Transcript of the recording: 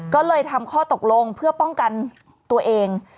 ก็เลยทำข้อตกลงเพื่อป้องกันตัวเอง